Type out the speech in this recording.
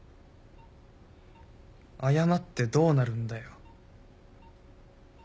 謝ってどうなるんだよ。